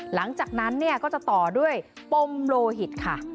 หลังจากนั้นเนี่ยก็จะต่อด้วยปมโลหิตค่ะ